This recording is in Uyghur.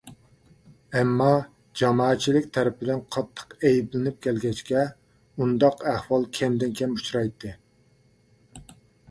ئەمما، جامائەتچىلىك تەرىپىدىن قاتتىق ئەيىبلىنىپ كەلگەچكە، ئۇنداق ئەھۋال كەمدىن كەم ئۇچرايتتى.